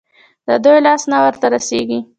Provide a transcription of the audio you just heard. د دوى لاس نه ورته رسېږي.